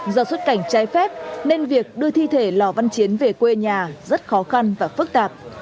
do xuất cảnh trái phép nên việc đưa thi thể lò văn chiến về quê nhà rất khó khăn và phức tạp